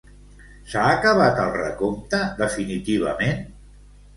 S'ha acabat el recompte definitivament?